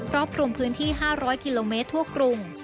รอบคลุมพื้นที่๕๐๐กิโลเมตรทั่วกรุง